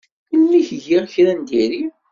Melmi i k-giɣ kra n diri?